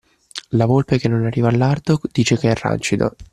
La volpe che non arriva al lardo dice che è rancido.